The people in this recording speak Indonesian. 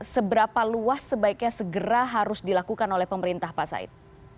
seberapa luas sebaiknya segera harus dilakukan oleh pemerintah pak said